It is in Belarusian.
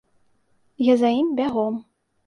Я за ім бягом.